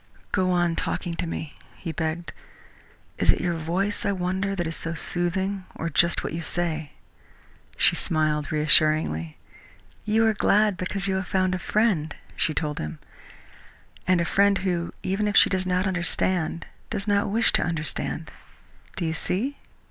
"Go on talking to me," he begged. "Is it your voice, I wonder, that is so soothing, or just what you say?" She smiled reassuringly. "You are glad because you have found a friend," she told him, "and a friend who, even if she does not understand, does not wish to understand. Do you see?"